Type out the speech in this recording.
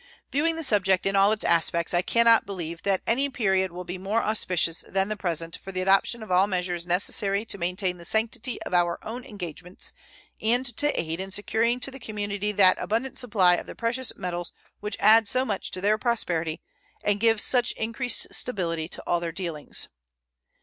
Viewing the subject in all its aspects, I can not believe that any period will be more auspicious than the present for the adoption of all measures necessary to maintain the sanctity of our own engagements and to aid in securing to the community that abundant supply of the precious metals which adds so much to their prosperity and gives such increased stability to all their dealings.